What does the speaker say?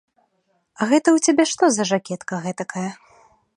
А гэта ў цябе што за жакетка гэтакая?